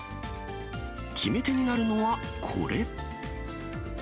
決め手になるのはこれ。